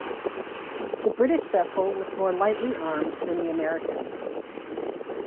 The British vessel was more lightly armed than the American.